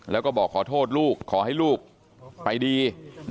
แล้วก็บอกขอโทษลูกขอให้ลูกไปดี